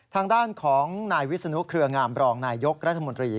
ทางด้านของนายวิศนุเครืองามรองนายยกรัฐมนตรี